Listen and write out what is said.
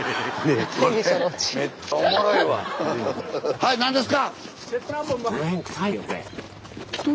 はい何ですか？